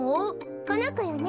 このこよね？